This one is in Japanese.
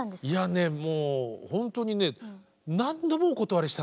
いやねもう本当にねえっ？